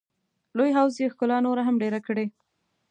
لوی حوض یې ښکلا نوره هم ډېره کړې.